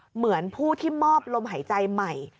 เหมือนผู้ที่มอบลมหายใจใหม่